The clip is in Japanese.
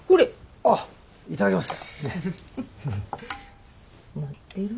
あっ頂きます。